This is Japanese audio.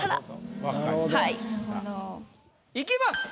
いきます。